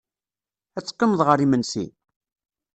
Ad teqqimeḍ ɣer imensi?